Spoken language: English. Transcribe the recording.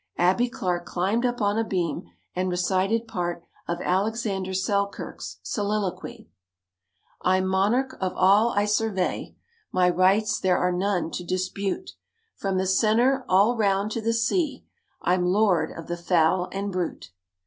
Abbie Clark climbed up on a beam and recited part of Alexander Selkirk's soliloquy: "I'm monarch of all I survey, My rights there are none to dispute: From the center, all round to the sea, I'm lord of the fowl and brute."